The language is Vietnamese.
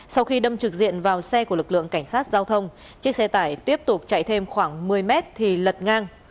sau khi đâm trực diện vào xe của lực lượng cảnh sát giao thông chiếc xe tải tiếp tục chạy thêm khoảng một mươi mét thì lật ngang